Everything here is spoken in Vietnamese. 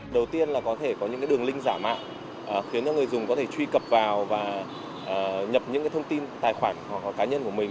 đầu tiên là có thể có những đường link giả mạo khiến cho người dùng có thể truy cập vào và nhập những thông tin tài khoản cá nhân của mình